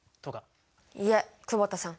いえ久保田さん。